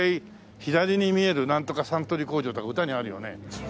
左に見えるなんとかサントリー工場とか歌にあるよね。